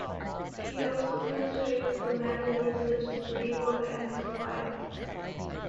He also illustrated for magazines such as Playboy and Esquire.